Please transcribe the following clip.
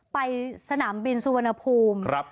ไปสนามบินสุวรรณภูมิ